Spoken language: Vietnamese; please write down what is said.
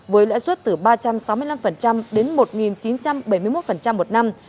với lãi suất từ ba trăm sáu mươi năm đến một chín trăm bảy mươi một một năm